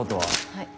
はい。